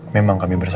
memang kami berharga